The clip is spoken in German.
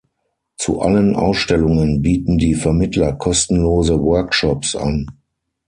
Zu allen Ausstellungen bieten die Vermittler kostenlose Workshops an.